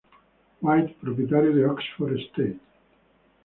White, propietario de Oxford State".